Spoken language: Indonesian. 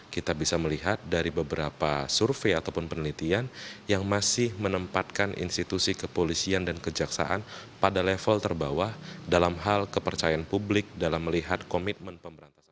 kita bisa melihat dari beberapa survei ataupun penelitian yang masih menempatkan institusi kepolisian dan kejaksaan pada level terbawah dalam hal kepercayaan publik dalam melihat komitmen pemberantasan